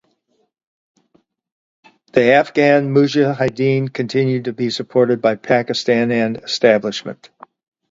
The Afghan mujahideen continued to be supported by Pakistan and establishment.